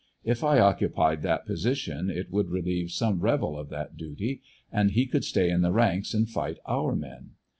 If I occu pied that position it would relieve some rebel of that duty, and he could stay in the ranks and fight our men.